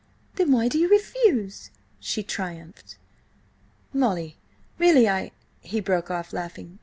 "Then why do you refuse?" she triumphed. "Molly–really, I—" He broke off, laughing.